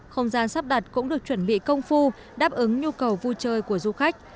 không gian sắp đặt cũng được chuẩn bị công phu đáp ứng nhu cầu vui chơi của du khách